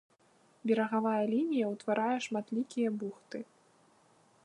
Берагавая лінія ўтварае шматлікія бухты.